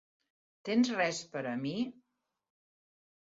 Tens res per a mi?